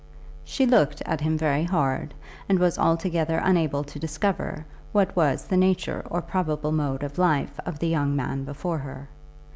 She looked at him very hard, and was altogether unable to discover what was the nature or probable mode of life of the young man before her.